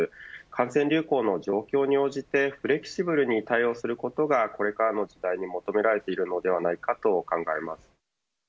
感染流行の状況に応じてフレキシブルに対応することがこれからの時代に求められるのではないかと考えています。